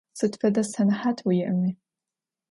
Sıd fede senehat vui'emi.